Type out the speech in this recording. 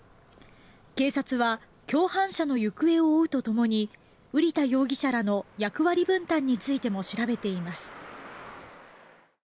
警察は共犯者の行方を追うとともに瓜田容疑者らの役割分担についても調べています。